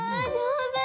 上手！